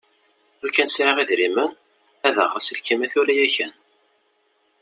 Lukan sεiɣ idrimen ad aɣeɣ aselkim-a tura yakan.